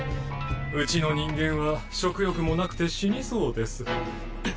うちの人間は食欲もなくて死にそうです。